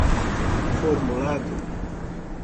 formulado